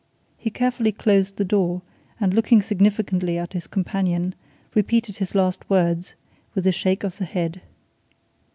He carefully closed the door, and looking significantly at his companion, repeated his last words, with a shake of the head.